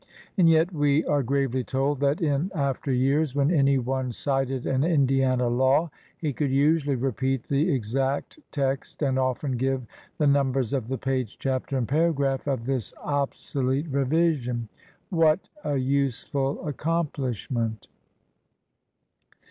And yet we are gravely told that "in after years, when any one cited an Indiana law, he could usually repeat the exact text and often give the numbers of the page, chapter, and paragraph" of this obsolete revision. What a useful accomplishment!